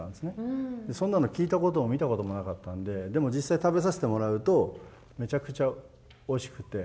そんなの聞いたことも見たこともなかったんででも実際食べさせてもらうとめちゃくちゃおいしくて。